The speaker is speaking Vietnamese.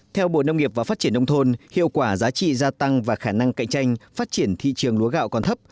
theo bộ nông nghiệp và phát triển nông thôn hiệu quả giá trị gia tăng và khả năng cạnh tranh phát triển thị trường lúa gạo còn thấp